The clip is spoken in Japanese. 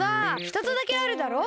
ひとつだけあるだろ？